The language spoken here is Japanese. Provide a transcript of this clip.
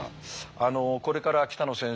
あのこれから北野先生